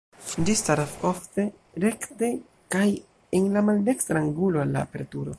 Ĝi staras ofte rekte kaj en la maldekstra angulo al la aperturo.